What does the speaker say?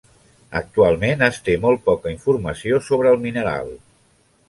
Actualment es té molt poca informació sobre el mineral.